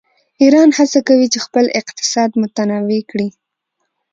ایران هڅه کوي چې خپل اقتصاد متنوع کړي.